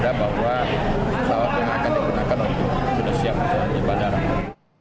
dan bahwa pesawat yang akan digunakan sudah siap untuk berjalan ke bandara